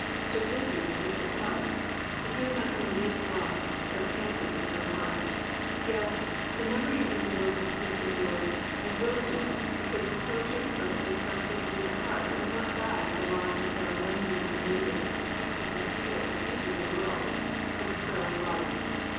Stood listening with lips apart. To hear in thy melodious love The pantings of her heart.*' 183 COMPANIONABLE BOOKS Yes; the memory and influence of Keats endure, and will endure, because his poetry expresses some thing in the heart that will not die so long as there are young men and maidens to see and feel the beauty of the world and the thrill of love.